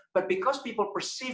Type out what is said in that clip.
tetapi karena orang menganggap